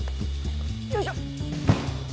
よいしょ！